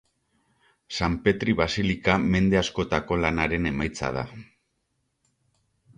San Petri basilika mende askotako lanaren emaitza da.